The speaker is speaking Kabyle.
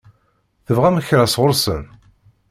Tebɣam kra sɣur-sen?